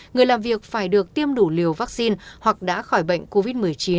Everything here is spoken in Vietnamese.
người làm việc phải được tiêm đủ liều vaccine hoặc đã khỏi bệnh covid một mươi chín